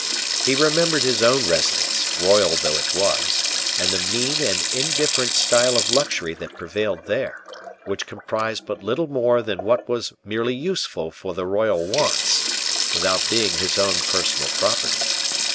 He remembered his own residence, royal though it was, and the mean and indifferent style of luxury that prevailed there, which comprised but little more than what was merely useful for the royal wants, without being his own personal property.